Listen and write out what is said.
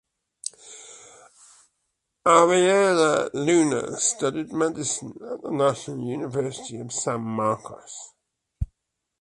Ariela Luna studied medicine at the National University of San Marcos.